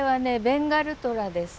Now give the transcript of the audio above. ベンガルトラです。